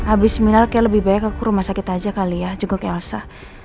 abis miler kayak lebih baik aku rumah sakit aja kali ya cenguk elsa